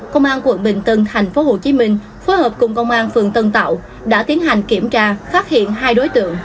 công an tp hcm phối hợp cùng công an tp tân tạo đã tiến hành kiểm tra phát hiện hai đối tượng